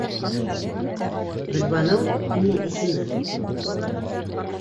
Гөлбаныу минең исемем.